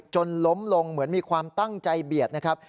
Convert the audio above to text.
จนล้มลงเหมือนมีความตั้งใจเบียดนะครับ